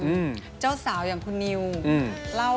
เมื่อวานเราเจอกันไปแล้ว